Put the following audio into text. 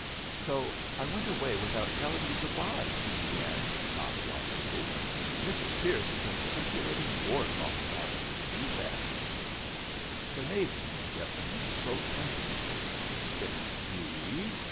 "So I went away without telling you goodbye!" he began, not wisely. "Mrs. Pierce has been circulating war talk about me, you bet!" The maiden in Jessamine spoke instantly. "Indeed?